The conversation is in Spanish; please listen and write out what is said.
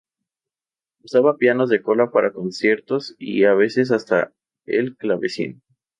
Usaba pianos de cola para conciertos y a veces hasta el clavecín.